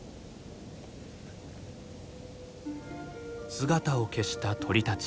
姿を消した鳥たち。